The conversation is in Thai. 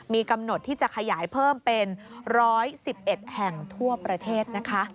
มีกำหนดที่จะขยายเพิ่มเป็น๑๑๑แห่งทั่วประเทศนะคะ